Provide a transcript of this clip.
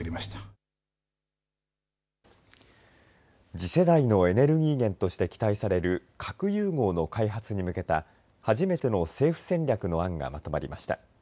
次世代のエネルギー源として期待される核融合の開発に向けた初めての政府戦略の案がまとまりました。